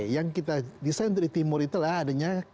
yang kita desain untuk di timur itulah adanya